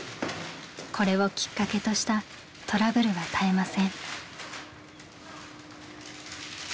これをきっかけとしたトラブルは絶えません。